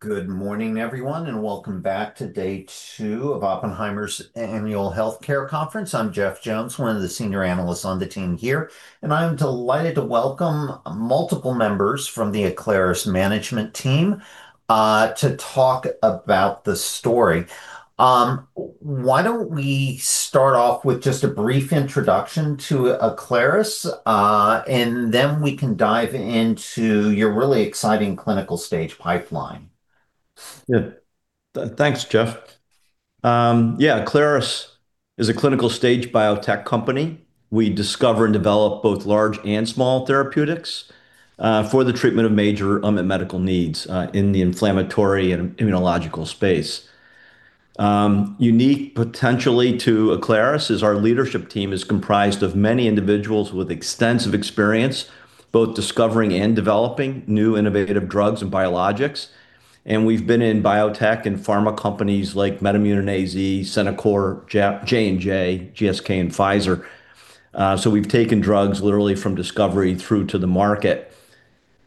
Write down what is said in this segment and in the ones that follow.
Good morning, everyone, and welcome back to day two of Oppenheimer's Annual Healthcare Conference. I'm Jeff Jones, one of the senior analysts on the team here, and I'm delighted to welcome multiple members from the Aclaris management team, to talk about the story. Why don't we start off with just a brief introduction to Aclaris, and then we can dive into your really exciting clinical stage pipeline? Yeah. Thanks, Jeff. Yeah, Aclaris is a clinical-stage biotech company. We discover and develop both large and small therapeutics for the treatment of major unmet medical needs in the inflammatory and immunological space. Unique potentially to Aclaris is our leadership team is comprised of many individuals with extensive experience, both discovering and developing new innovative drugs and biologics. We've been in biotech and pharma companies like MedImmune and AZ, Centocor, J&J, GSK, and Pfizer. We've taken drugs literally from discovery through to the market.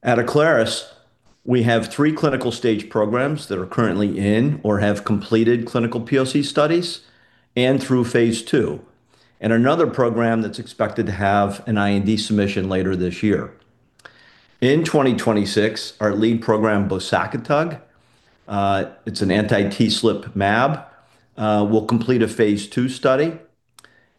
At Aclaris, we have three clinical-stage programs that are currently in or have completed clinical POC studies and through phase II, and another program that's expected to have an IND submission later this year. In 2026, our lead program, bosakitug, it's an anti-TSLP mAb, will complete a phase II study.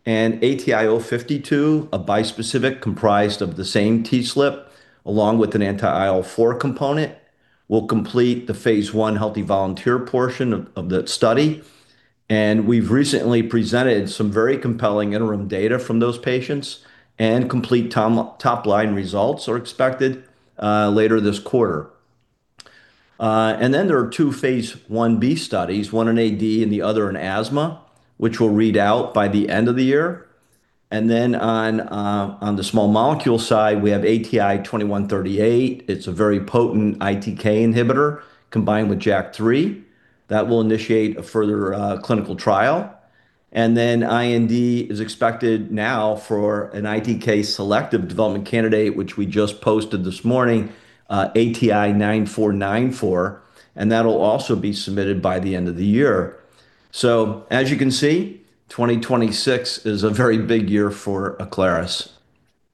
ATI-052, a bispecific comprised of the same TSLP, along with an anti-IL-4 component, will complete the phase I healthy volunteer portion of that study. We've recently presented some very compelling interim data from those patients, and complete top line results are expected later this quarter. There are two phase 1b studies, one in AD and the other in asthma, which we'll read out by the end of the year. On the small molecule side, we have ATI-2138. It's a very potent ITK inhibitor combined with JAK3 that will initiate a further clinical trial. IND is expected now for an ITK selective development candidate, which we just posted this morning, ATI-9494, and that'll also be submitted by the end of the year. As you can see, 2026 is a very big year for Aclaris.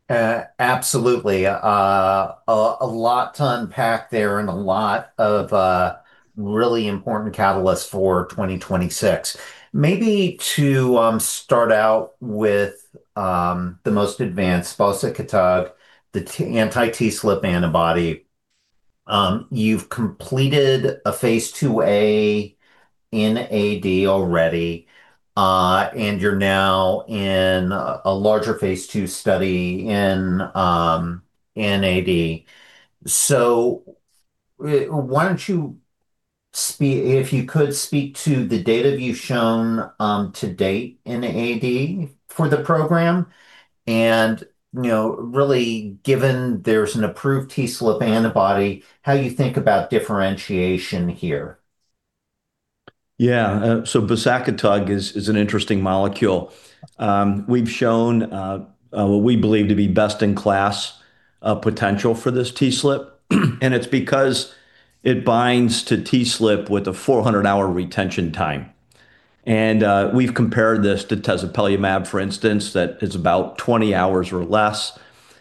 Absolutely. A lot to unpack there and a lot of really important catalysts for 2026. Maybe to start out with the most advanced, bosakitug, the anti-TSLP antibody. You've completed a phase 2a in AD already, and you're now in a larger phase II study in AD. Why don't you speak to the data you've shown to date in AD for the program, and, you know, really, given there's an approved TSLP antibody, how you think about differentiation here? Yeah. bosakitug is an interesting molecule. We've shown what we believe to be best-in-class potential for this TSLP, and it's because it binds to TSLP with a 400-hour retention time. We've compared this to tezepelumab, for instance, that is about 20 hours or less,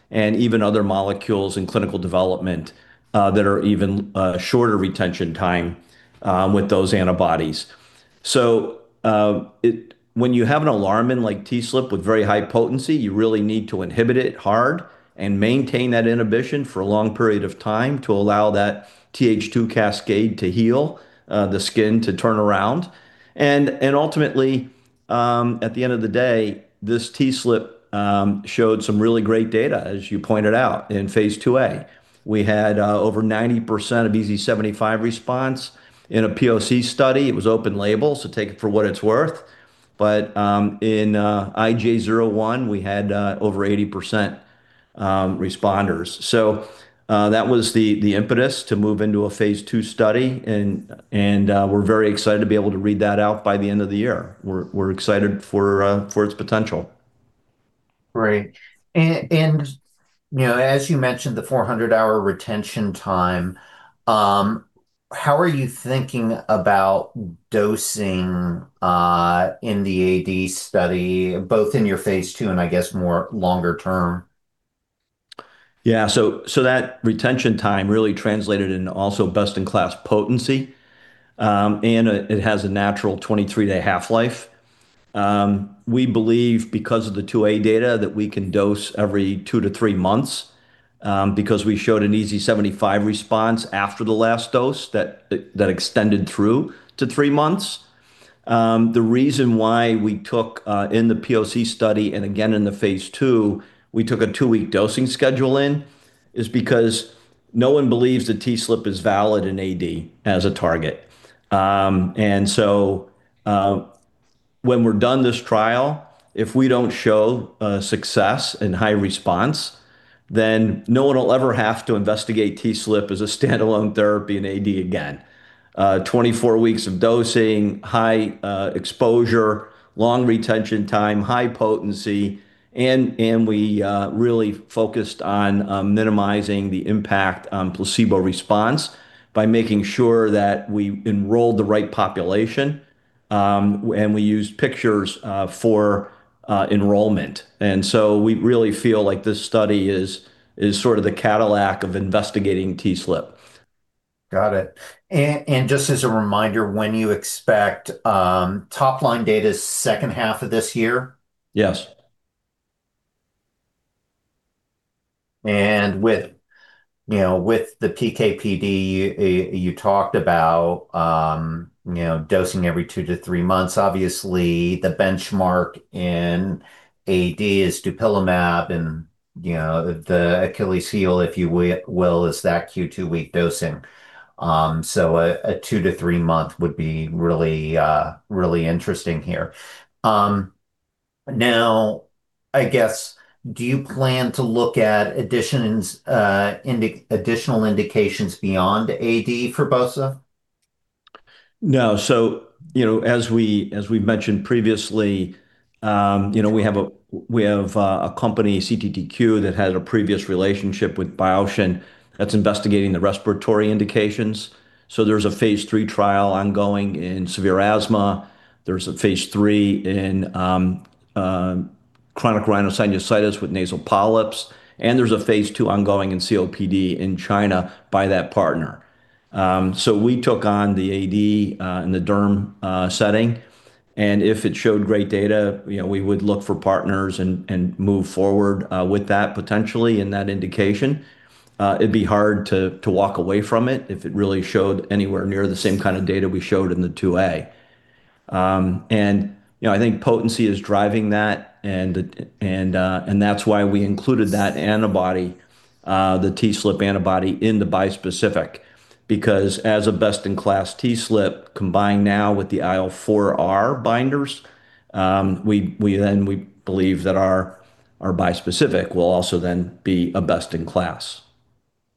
and even other molecules in clinical development that are even shorter retention time with those antibodies. When you have an alarmin like TSLP with very high potency, you really need to inhibit it hard and maintain that inhibition for a long period of time to allow that Th2 cascade to heal the skin to turn around. Ultimately, at the end of the day, this TSLP showed some really great data, as you pointed out, in phase 2a. We had over 90% of EASI-75 response in a POC study. It was open label, so take it for what it's worth. In IJ01, we had over 80% responders. That was the impetus to move into a phase II study, and we're very excited to be able to read that out by the end of the year. We're excited for its potential. Great. You know, as you mentioned, the 400-hour retention time, how are you thinking about dosing in the AD study, both in your phase II and I guess more longer term? Yeah. That retention time really translated into also best-in-class potency, and it has a natural 23-day half-life. We believe, because of the phase 2a data, that we can dose every two to three months, because we showed an EASI-75 response after the last dose that extended through to three months. The reason why we took in the POC study, and again in the phase II, we took a two-week dosing schedule in, is because no one believes that TSLP is valid in AD as a target. When we're done this trial, if we don't show success and high response, then no one will ever have to investigate TSLP as a standalone therapy in AD again. 24 weeks of dosing, high exposure, long retention time, high potency, and we really focused on minimizing the impact on placebo response by making sure that we enrolled the right population. We used pictures for enrollment. We really feel like this study is sort of the Cadillac of investigating TSLP. Got it. Just as a reminder, when you expect top-line data is second half of this year? Yes. With, you know, with the PK/PD, you talked about, you know, dosing every two to three months. Obviously, the benchmark in AD is dupilumab, and, you know, the Achilles heel, if you will, is that Q2-week dosing. A two to three-month would be really interesting here. Now, I guess, do you plan to look at additional indications beyond AD for bosa? No. You know, as we, as we mentioned previously, you know, we have a company, CTTQ, that had a previous relationship with Biohaven, that's investigating the respiratory indications. There's a phase III trial ongoing in severe asthma. There's a phase III in chronic rhinosinusitis with nasal polyps, and there's a phase II ongoing in COPD in China by that partner. We took on the AD in the derm setting, and if it showed great data, you know, we would look for partners and move forward with that potentially in that indication. It'd be hard to walk away from it if it really showed anywhere near the same kind of data we showed in the phase 2a. You know, I think potency is driving that, and that's why we included that antibody, the TSLP antibody, in the bispecific. As a best-in-class TSLP, combined now with the IL-4R binders, we believe that our bispecific will also then be a best-in-class.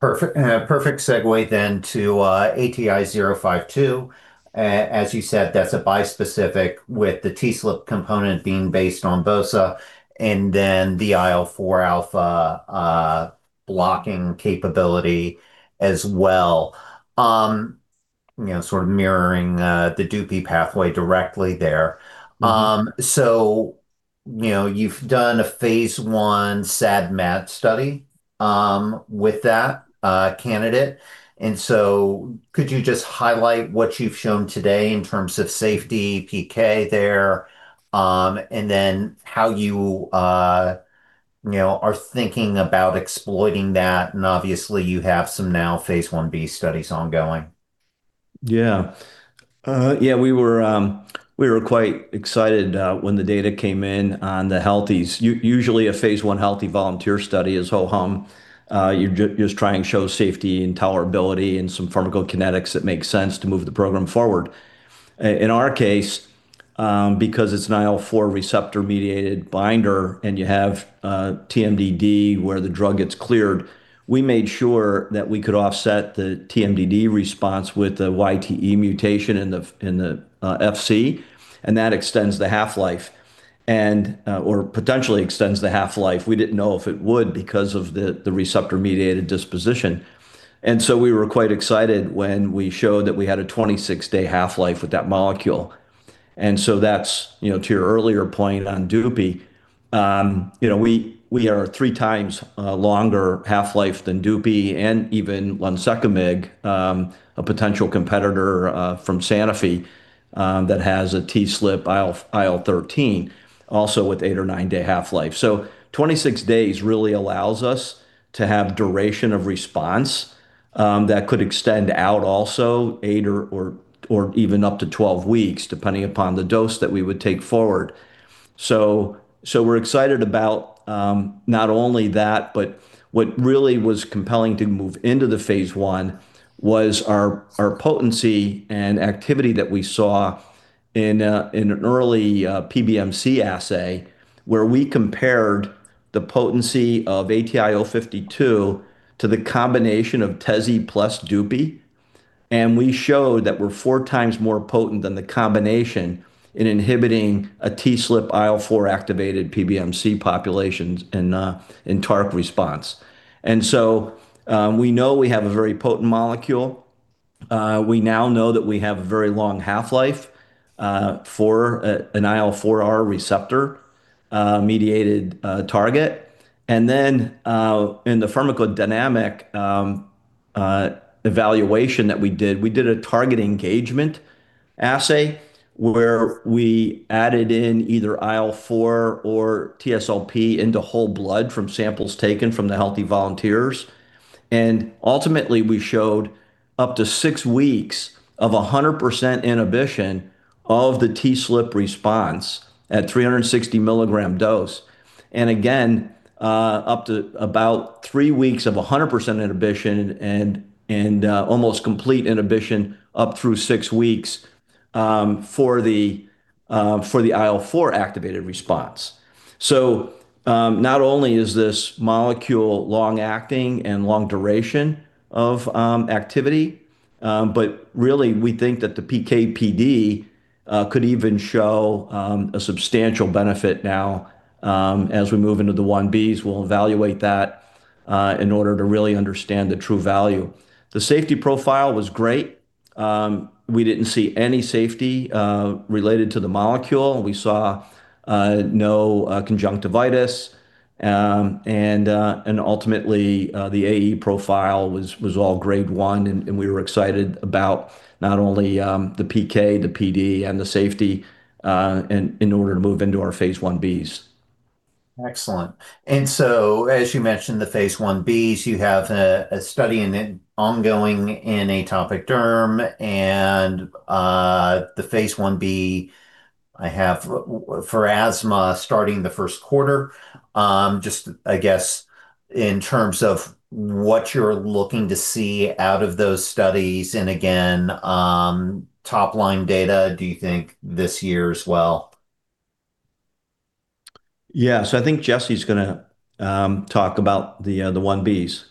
Perfect. Perfect segue then to ATI-052. As you said, that's a bispecific with the TSLP component being based on bosa, and then the IL-4 alpha, blocking capability as well, you know, sort of mirroring, the Dupi pathway directly there. Mm-hmm. You know, you've done a phase I SAD mat study with that candidate, could you just highlight what you've shown today in terms of safety, PK there, then how you know, are thinking about exploiting that? Obviously, you have some now phase 1b studies ongoing. Yeah. Yeah, we were quite excited when the data came in on the healthies. Usually, a phase I healthy volunteer study is ho-hum. You just try and show safety and tolerability and some pharmacokinetics that make sense to move the program forward. In our case, because it's an IL-4 receptor-mediated binder and you have TMDD, where the drug gets cleared, we made sure that we could offset the TMDD response with a YTE mutation in the Fc, and that extends the half-life, or potentially extends the half-life. We didn't know if it would because of the receptor-mediated disposition. We were quite excited when we showed that we had a 26-day half-life with that molecule. That's, you know, to your earlier point on Dupi, you know, we are three times longer half-life than Dupi and even lunsekimig, a potential competitor from Sanofi, that has a TSLP IL-13, also with eight- or nine-day half-life. 26 days really allows us to have duration of response, that could extend out also eight or even up to 12 weeks, depending upon the dose that we would take forward. We're excited about not only that, but what really was compelling to move into the phase I was our potency and activity that we saw in an early PBMC assay, where we compared the potency of ATI-052 to the combination of Tezspire plus Dupi. We showed that we're 4x more potent than the combination in inhibiting a TSLP IL-4-activated PBMC populations in a TARC response. We know we have a very potent molecule. We now know that we have a very long half-life for an IL-4R receptor mediated target. In the pharmacodynamic evaluation that we did, we did a target engagement assay, where we added in either IL-4 or TSLP into whole blood from samples taken from the healthy volunteers. Ultimately, we showed up to six weeks of 100% inhibition of the TSLP response at 360 mg dose. Again, up to about three weeks of 100% inhibition and almost complete inhibition up through six weeks for the IL-4 activated response. Not only is this molecule long-acting and long duration of activity, but really, we think that the PK/PD could even show a substantial benefit now as we move into the 1bs. We'll evaluate that. In order to really understand the true value. The safety profile was great. We didn't see any safety related to the molecule. We saw no conjunctivitis. And ultimately, the AE profile was all grade one, and we were excited about not only the PK, the PD, and the safety in order to move into our phase 1bs. Excellent. As you mentioned, the phase 1bs, you have a study in it ongoing in atopic derm and the phase 1b I have for asthma starting the first quarter. Just, I guess, in terms of what you're looking to see out of those studies, and again, top-line data, do you think this year as well? Yeah. I think Jesse's gonna talk about the 1bs.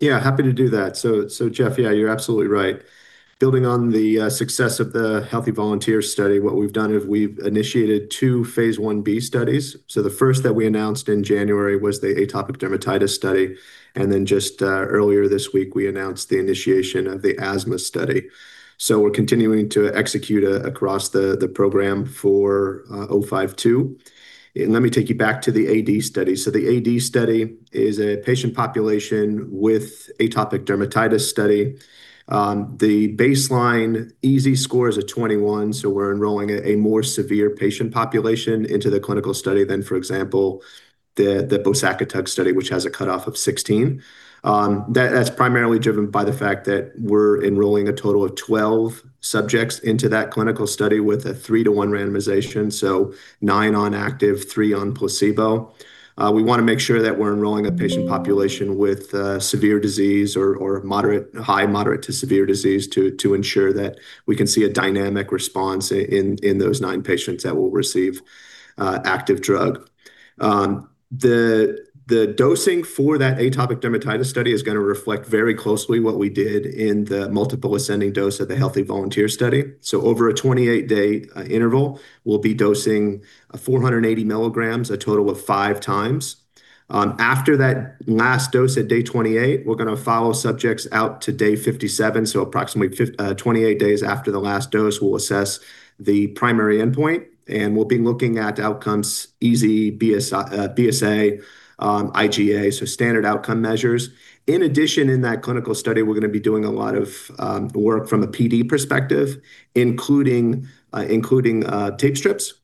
Yeah, happy to do that. Jeff, yeah, you're absolutely right. Building on the success of the healthy volunteer study, what we've done is we've initiated two phase 1b studies. The first that we announced in January was the atopic dermatitis study, and then just earlier this week, we announced the initiation of the asthma study. We're continuing to execute across the program for O-52. Let me take you back to the AD study. The AD study is a patient population with atopic dermatitis study. The baseline EASI score is a 21, we're enrolling a more severe patient population into the clinical study than, for example, the bosakitug study, which has a cut-off of 16. That's primarily driven by the fact that we're enrolling a total of 12 subjects into that clinical study with a three to one randomization, so nine on active, three on placebo. We wanna make sure that we're enrolling a patient population with severe disease or high, moderate to severe disease to ensure that we can see a dynamic response in those nine patients that will receive active drug. The dosing for that atopic dermatitis study is gonna reflect very closely what we did in the multiple ascending dose of the healthy volunteer study. Over a 28-day interval, we'll be dosing 480 milligrams, a total of 5x. After that last dose at day 28, we're going to follow subjects out to day 57, approximately 28 days after the last dose, we'll assess the primary endpoint, and we'll be looking at outcomes EASI, BSA, IGA, standard outcome measures. In addition, in that clinical study, we're going to be doing a lot of work from a PD perspective, including tape strips.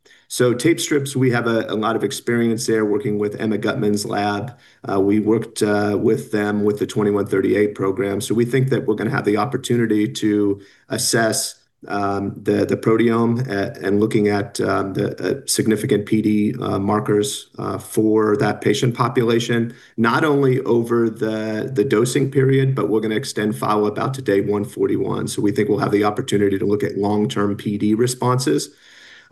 Tape strips, we have a lot of experience there working with Emma Guttman-Yassky's lab. We worked with them with the ATI-2138 program, we think that we're going to have the opportunity to assess the proteome and looking at the significant PD markers for that patient population, not only over the dosing period, but we're going to extend follow-up out to day 141. We think we'll have the opportunity to look at long-term PD responses.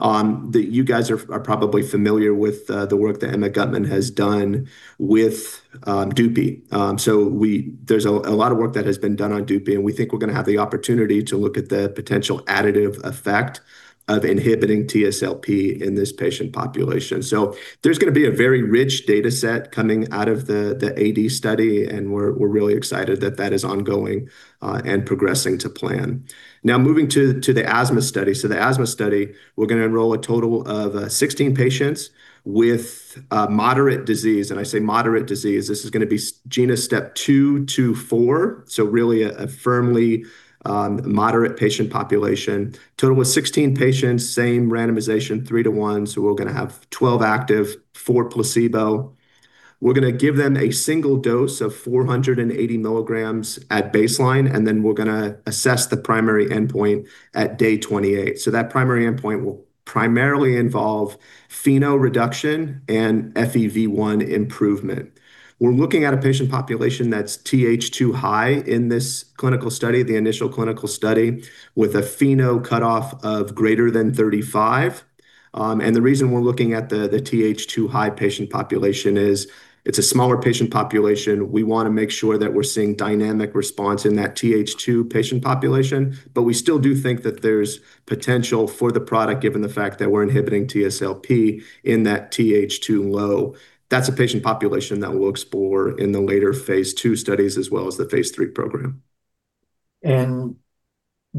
You guys are probably familiar with the work that Emma Guttman-Yassky has done with DUPI. There's a lot of work that has been done on DUPI, and we think we're gonna have the opportunity to look at the potential additive effect of inhibiting TSLP in this patient population. There's gonna be a very rich data set coming out of the AD study, and we're really excited that that is ongoing and progressing to plan. Moving to the asthma study. The asthma study, we're gonna enrol a total of 16 patients with moderate disease, and I say moderate disease. This is gonna be GINA step two to four, really a firmly moderate patient population. Total of 16 patients, same randomization, three to one, we're gonna have 12 active, 4 placebo. We're gonna give them a single dose of 480 milligrams at baseline, and then we're gonna assess the primary endpoint at day 28. That primary endpoint will primarily involve FeNO reduction and FEV1 improvement. We're looking at a patient population that's TH2 high in this clinical study, the initial clinical study, with a FeNO cut-off of greater than 35. The reason we're looking at the TH2 high patient population is it's a smaller patient population. We wanna make sure that we're seeing dynamic response in that TH2 patient population, but we still do think that there's potential for the product, given the fact that we're inhibiting TSLP in that TH2 low. That's a patient population that we'll explore in the later phase II studies, as well as the phase III program.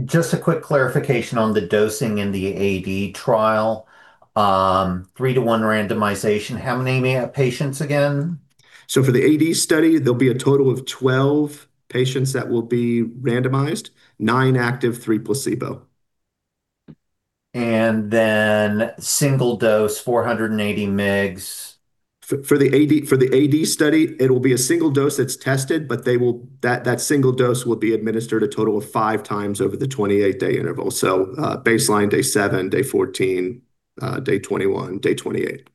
Just a quick clarification on the dosing in the AD trial, three to one randomization, how many patients again? For the AD study, there'll be a total of 12 patients that will be randomized, nine active, three placebo. single dose, 480 mgs. For the AD study, it will be a single dose that's tested, but that single dose will be administered a total of 5x over the 28-day interval. Baseline, day seven, day 14, day 21, day 28.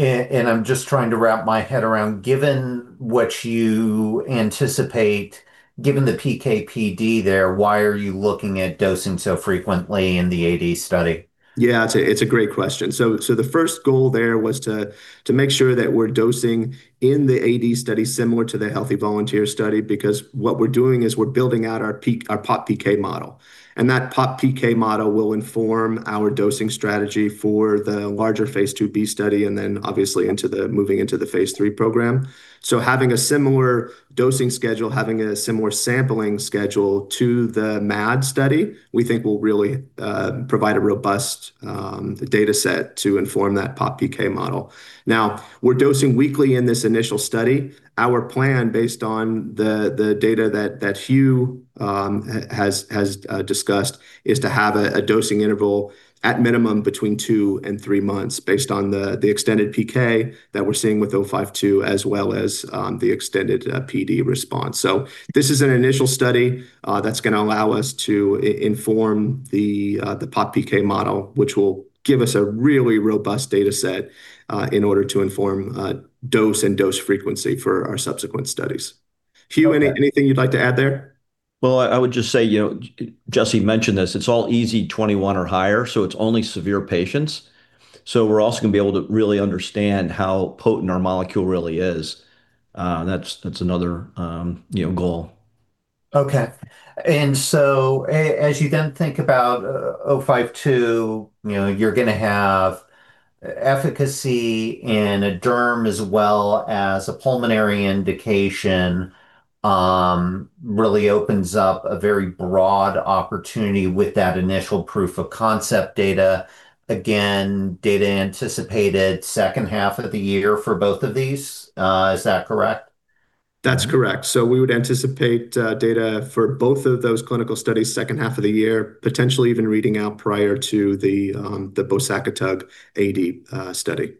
I'm just trying to wrap my head around, given what you anticipate, given the PK/PD there, why are you looking at dosing so frequently in the AD study? Yeah, it's a great question. The first goal there was to make sure that we're dosing in the AD study similar to the healthy volunteer study, because what we're doing is we're building out our POPPK model, that POPPK model will inform our dosing strategy for the larger Phase 2b study, then obviously moving into the Phase III program. Having a similar dosing schedule, having a similar sampling schedule to the MAD study, we think will really provide a robust data set to inform that POPPK model. Now, we're dosing weekly in this initial study. Our plan, based on the data that Hugh has discussed, is to have a dosing interval at minimum between two and three months, based on the extended PK that we're seeing with 052, as well as the extended PD response. This is an initial study that's gonna allow us to inform the POPPK model, which will give us a really robust data set in order to inform dose and dose frequency for our subsequent studies. Hugh, anything you'd like to add there? Well, I would just say, you know, Jesse mentioned this, it's all EASI or higher, so it's only severe patients. We're also gonna be able to really understand how potent our molecule really is. That's another, you know, goal. Okay. As you then think about 052, you know, you're gonna have efficacy in a derm as well as a pulmonary indication, really opens up a very broad opportunity with that initial proof of concept data. Again, data anticipated second half of the year for both of these. Is that correct? That's correct. We would anticipate data for both of those clinical studies second half of the year, potentially even reading out prior to the bosakitug AD study.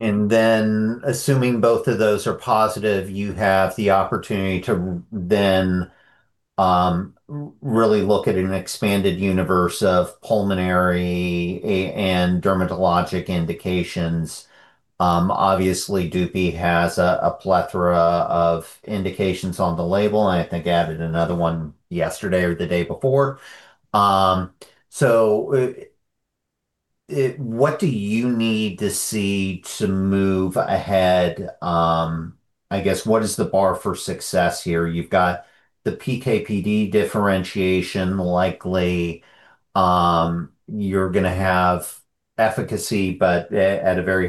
Assuming both of those are positive, you have the opportunity to then really look at an expanded universe of pulmonary and dermatologic indications. Obviously, Dupi has a plethora of indications on the label, and I think added another one yesterday or the day before. What do you need to see to move ahead? I guess, what is the bar for success here? You've got the PK/PD differentiation, likely, you're gonna have efficacy, but at a very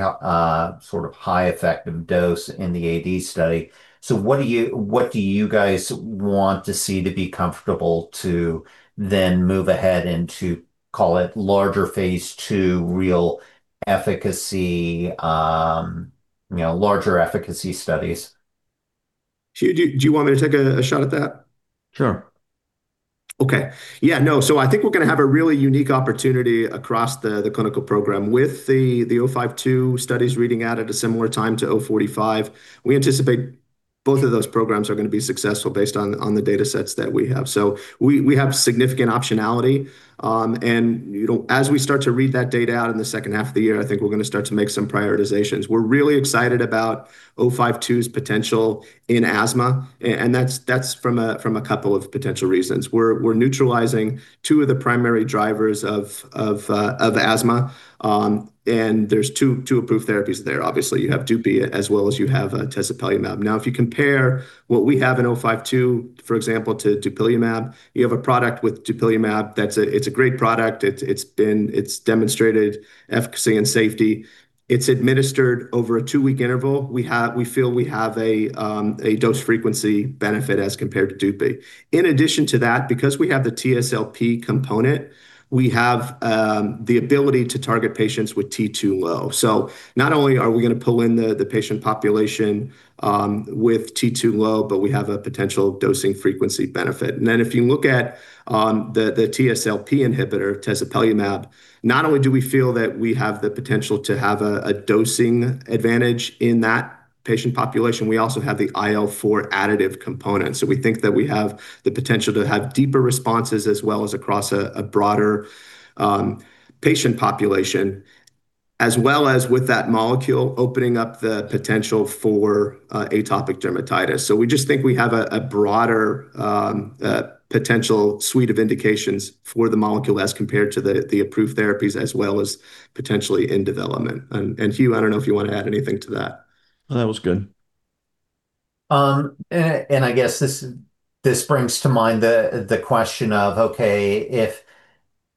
sort of, high effective dose in the AD study. What do you guys want to see to be comfortable to then move ahead and to call it larger phase II real efficacy, you know, larger efficacy studies? Do you want me to take a shot at that? Sure. Okay. Yeah, no, I think we're gonna have a really unique opportunity across the clinical program. With the 052 studies reading out at a similar time to ATI-045, we anticipate both of those programs are gonna be successful based on the data sets that we have. We have significant optionality, and, you know, as we start to read that data out in the second half of the year, I think we're gonna start to make some prioritizations. We're really excited about 052's potential in asthma, and that's from a couple of potential reasons. We're neutralising two of the primary drivers of asthma, and there's two approved therapies there. Obviously, you have Dupi as well as you have tezepelumab. If you compare what we have in 052, for example, to dupilumab, you have a product with dupilumab that's a great product. It's demonstrated efficacy and safety. It's administered over a two-week interval. We feel we have a dose frequency benefit as compared to Dupi. In addition to that, because we have the TSLP component, we have the ability to target patients with T2 low. Not only are we gonna pull in the patient population with T2 low, but we have a potential dosing frequency benefit. If you look at the TSLP inhibitor, tezepelumab, not only do we feel that we have the potential to have a dosing advantage in that patient population, we also have the IL-4 additive component. We think that we have the potential to have deeper responses, as well as across a broader patient population, as well as with that molecule opening up the potential for atopic dermatitis. We just think we have a broader potential suite of indications for the molecule as compared to the approved therapies, as well as potentially in development. Hugh, I don't know if you want to add anything to that. That was good. I guess this brings to mind the question of: Okay, if,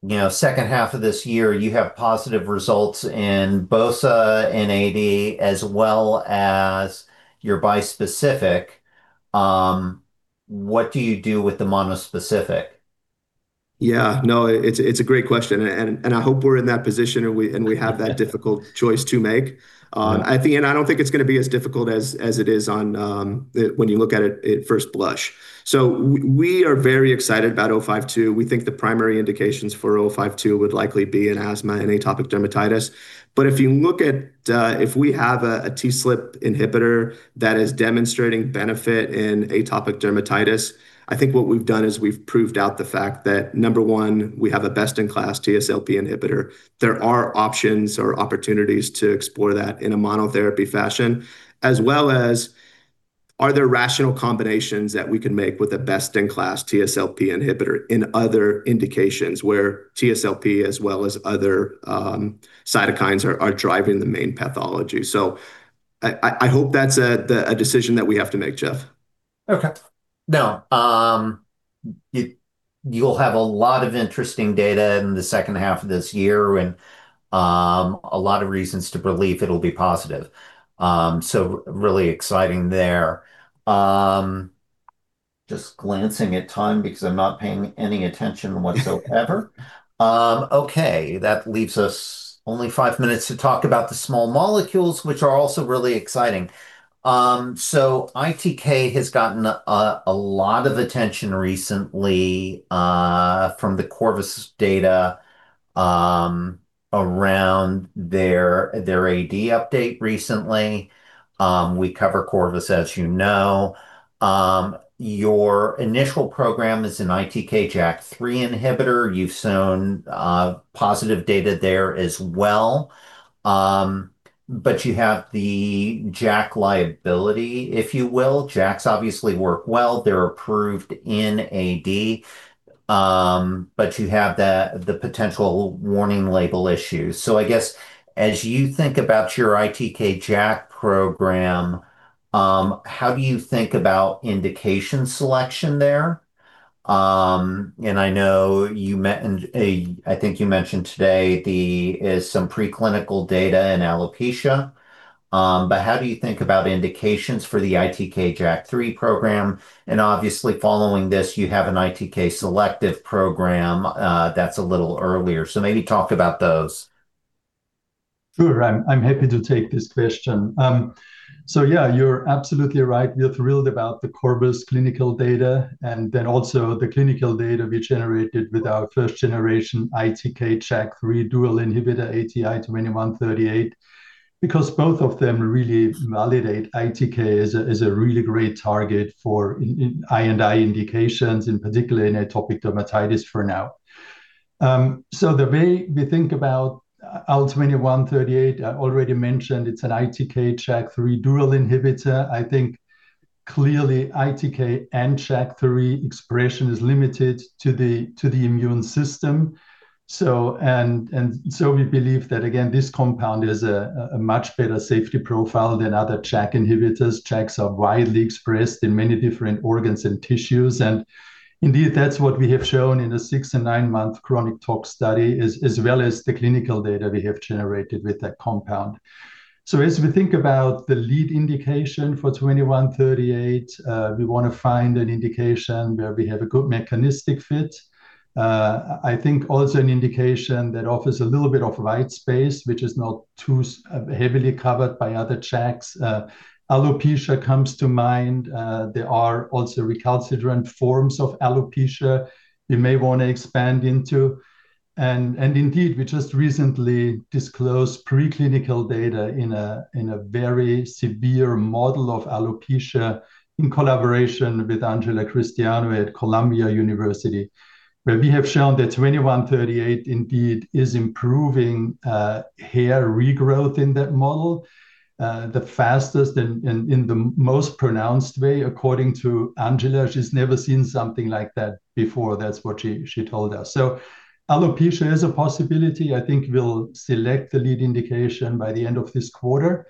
you know, second half of this year you have positive results in bosa and AD as well as your bispecific, what do you do with the monospecific? Yeah. No, it's a great question, and, I hope we're in that position and we, and we have that difficult choice to make. I don't think it's gonna be as difficult as it is on when you look at it at first blush. We are very excited about ATI-052. We think the primary indications for ATI-052 would likely be in asthma and atopic dermatitis. If you look at if we have a TSLP inhibitor that is demonstrating benefit in atopic dermatitis, I think what we've done is we've proved out the fact that, number one, we have a best-in-class TSLP inhibitor. There are options or opportunities to explore that in a monotherapy fashion, as well as Are there rational combinations that we can make with a best-in-class TSLP inhibitor in other indications, where TSLP, as well as other, cytokines, are driving the main pathology? I hope that's a decision that we have to make, Jeff. Okay. Now, you'll have a lot of interesting data in the second half of this year, and a lot of reasons to believe it'll be positive. Really exciting there. Just glancing at time, because I'm not paying any attention whatsoever. Okay, that leaves us only five minutes to talk about the small molecules, which are also really exciting. ITK has gotten a lot of attention recently from the Corvus data around their AD update recently. We cover Corvus, as you know. Your initial program is an ITK/JAK3 inhibitor. You've shown positive data there as well. You have the JAK liability, if you will. JAKs obviously work well. They're approved in AD, but you have the potential warning label issues. I guess, as you think about your ITK/JAK program, how do you think about indication selection there? I know I think you mentioned today some preclinical data in alopecia. How do you think about indications for the ITK/JAK3 program? Obviously, following this, you have an ITK-selective program that's a little earlier, so maybe talk about those. Sure. I'm happy to take this question. Yeah, you're absolutely right. We're thrilled about the Corvus clinical data, and then also the clinical data we generated with our first-generation ITK/JAK3 dual inhibitor, ATI-2138, because both of them really validate ITK as a really great target for I&I indications, in particular in atopic dermatitis, for now. The way we think about ATI-2138, I already mentioned it's an ITK/JAK3 dual inhibitor. I think, clearly, ITK and JAK3 expression is limited to the immune system. We believe that, again, this compound is a much better safety profile than other JAK inhibitors. JAKs are widely expressed in many different organs and tissues, and indeed, that's what we have shown in the six and nine-month chronic tox study, as well as the clinical data we have generated with that compound. As we think about the lead indication for 2138, we wanna find an indication where we have a good mechanistic fit. I think also an indication that offers a little bit of white space, which is not too heavily covered by other JAKs. Alopecia comes to mind. There are also recalcitrant forms of alopecia we may wanna expand into. Indeed, we just recently disclosed preclinical data in a very severe model of alopecia, in collaboration with Angela Christiano at Columbia University, where we have shown that 2138 indeed is improving hair regrowth in that model the fastest and in the most pronounced way. According to Angela, she's never seen something like that before. That's what she told us. Alopecia is a possibility. I think we'll select the lead indication by the end of this quarter.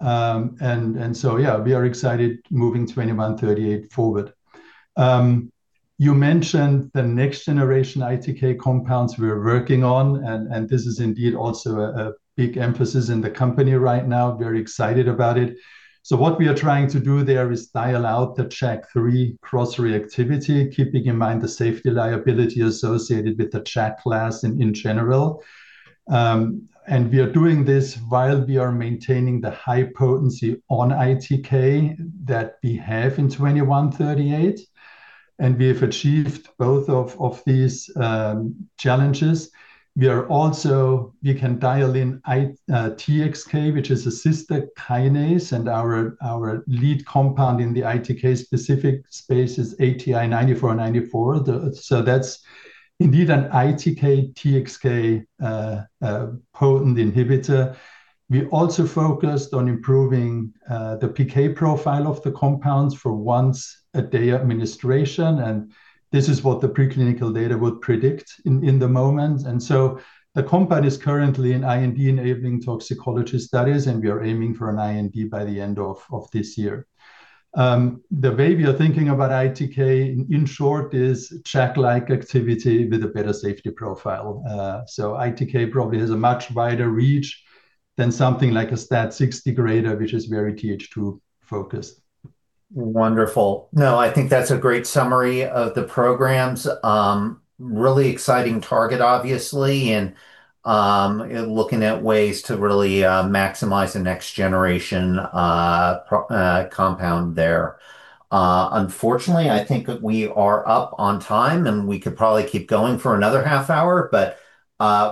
We are excited moving 2138 forward. You mentioned the next-generation ITK compounds we're working on, and this is indeed also a big emphasis in the company right now. Very excited about it. What we are trying to do there is dial out the JAK3 cross-reactivity, keeping in mind the safety liability associated with the JAK class in general. We are doing this while we are maintaining the high potency on ITK that we have in 2138, and we have achieved both of these challenges. We can dial in TXK, which is a cysteine kinase, and our lead compound in the ITK-specific space is ATI-9494. That's indeed an ITK/TXK potent inhibitor. We also focused on improving the PK profile of the compounds for once-a-day administration, and this is what the preclinical data would predict in the moment. The compound is currently in IND-enabling toxicology studies, and we are aiming for an IND by the end of this year. The way we are thinking about ITK, in short, is JAK-like activity with a better safety profile. ITK probably has a much wider reach than something like a STAT6 degrader, which is very Th2-focused. Wonderful. No, I think that's a great summary of the programs. Really exciting target, obviously, and looking at ways to really maximize the next generation compound there. Unfortunately, I think that we are up on time, and we could probably keep going for another half hour,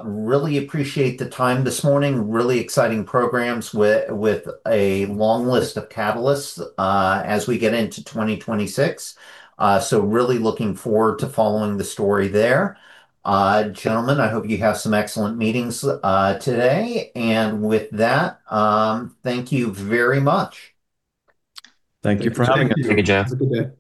really appreciate the time this morning. Really exciting programs with a long list of catalysts as we get into 2026. Really looking forward to following the story there. Gentlemen, I hope you have some excellent meetings today. With that, thank you very much. Thank you for having us. Thank you, Jeff. Have a good day. You too.